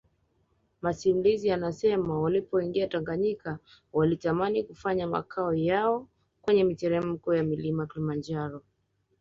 Masimulizi yanasema walipoingia Tanganyika walitamani kufanya makao yao kwenye miteremko ya Mlima Kilimanjaro